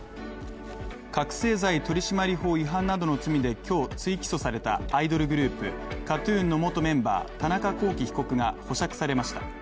覚醒剤取締法違反などの罪で今日、追起訴されたアイドルグループ、ＫＡＴ−ＴＵＮの元メンバー、田中聖被告が保釈されました。